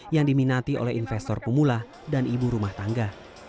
yang diminati oleh investor pemula dan ibu rumah tangga